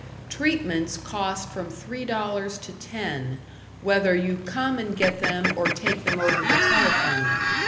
Treatments cost from three dollars to ten, whether you come and get them or take them over the telephone.